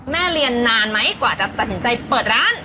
แม่เรียนนานไหมกว่าจะตัดสินใจเปิดร้าน